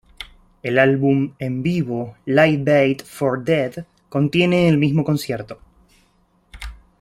El álbum en vivo "Live Bait for the Dead" contiene el mismo concierto.